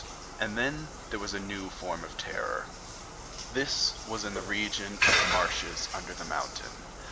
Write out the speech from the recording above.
And then there was a new form of terror. This was in the region of the marshes under the mountain.